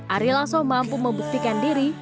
arilaso mampu membuktikan diri